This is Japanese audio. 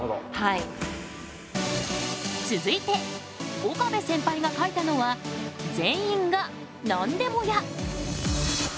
続いて岡部センパイが書いたのは「全員が『なんでも屋』」！